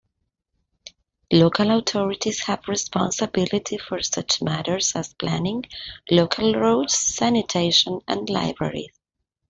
Local authorities have responsibility for such matters as planning, local roads, sanitation, and libraries.